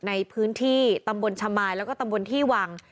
ในพื้นที่ตำบลชะมายแล้วก็ตำบลที่วัง